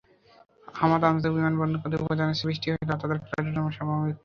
Hamad আন্তর্জাতিক বিমানবন্দর কর্তৃপক্ষ জানিয়েছে, বৃষ্টির হলে তাদের ফ্লাইট ওঠানামা স্বাভাবিক রয়েছে।